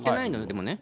でもね。